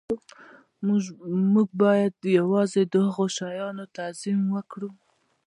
موږ باید یوازې د هغو شیانو تعظیم وکړو